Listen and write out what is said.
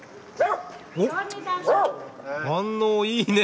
お反応いいね。